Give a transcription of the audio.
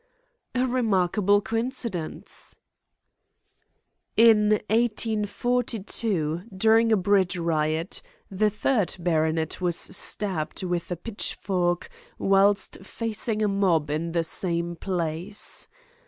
"A remarkable coincidence!" "In 1842, during a bread riot, the third baronet was stabbed with a pitchfork whilst facing a mob in the same place.